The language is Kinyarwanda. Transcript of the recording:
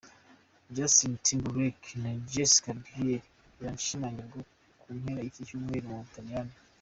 Justin Timberlake na Jessica Biel birashyingirwa mu mpera z’iki cyumweru mu Butaliyani.